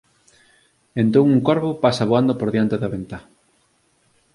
Entón un corvo pasa voando por diante da ventá.